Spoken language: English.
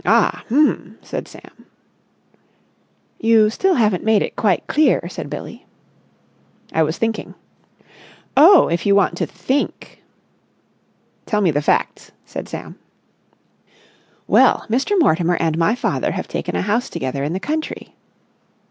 Ah! H'm!" said Sam. "You still haven't made it quite clear," said Billie. "I was thinking." "Oh, if you want to think!" "Tell me the facts," said Sam. "Well, Mr. Mortimer and my father have taken a house together in the country...."